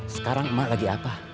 sekarang emak lagi apa